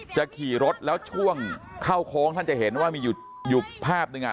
ขี่รถแล้วช่วงเข้าโค้งท่านจะเห็นว่ามีอยู่ภาพหนึ่งอ่ะ